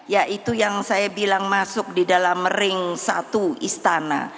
ya itu yang saya bilang masuk di dalam ring satu istana